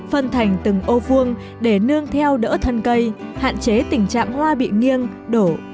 phân thành từng ô vuông để nương theo đỡ thân cây hạn chế tình trạng hoa bị nghiêng đổ